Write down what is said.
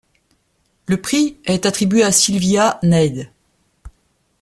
Le prix est attribué à Silvia Neid.